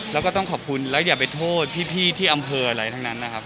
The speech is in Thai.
แล้วก็ต้องขอบคุณแล้วอย่าไปโทษพี่ที่อำเภออะไรทั้งนั้นนะครับ